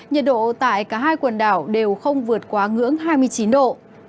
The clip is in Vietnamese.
nhiệt độ tại cả hai quần đảo đều không vượt quá ngưỡng hai mươi chín độ